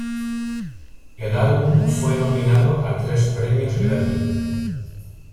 El álbum fue nominado a tres premios Grammy.